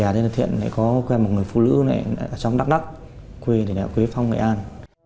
và đến thiện có quen một người phụ nữ ở trong đắk đắk quê phong nghệ an